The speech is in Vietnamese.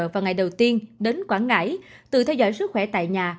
vào ngày đầu tiên đến quảng ngãi tự theo dõi sức khỏe tại nhà